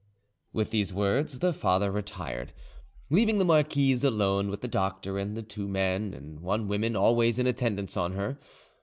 With these words the father retired, leaving the marquise alone with the doctor and the two men and one woman always in attendance on her.